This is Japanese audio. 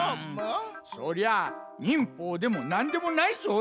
そりゃ忍法でもなんでもないぞい。